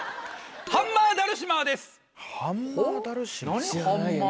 ハンマーダルシマー？